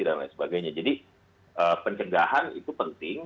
dan lain sebagainya jadi pencegahan itu penting